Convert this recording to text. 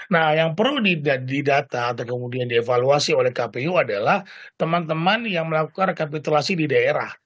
nah yang perlu didata atau kemudian dievaluasi oleh kpu adalah teman teman yang melakukan rekapitulasi di daerah